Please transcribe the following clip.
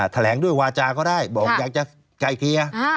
แถลงด้วยวาจาก็ได้บอกอยากจะไกลเกลี่ย